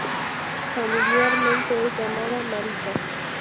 Familiarmente es llamada "Marita".